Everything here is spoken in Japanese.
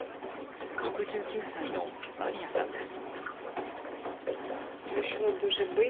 ６９歳のマリヤさんです。